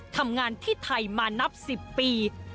ทำงานที่ไทยมานับ๑๐ปี